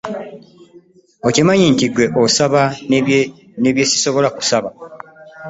Okimanyi nti gwe osaba ne byesisobola kusaba.